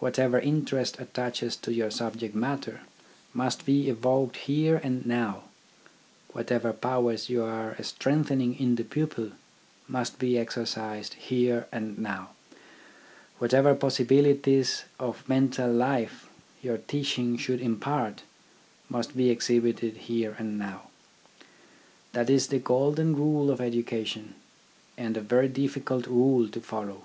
Whatever interest attaches to your subject matter, must be evoked here and now ; whatever THE AIMS OF EDUCATION 13 powers you are strengthening in the pupil, must be exercised here and now; whatever possi bilities of mental life your teaching should impart, must be exhibited here and now. That is the golden rule of education, and a very difficult rule to follow.